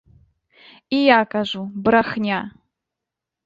І я кажу, брахня.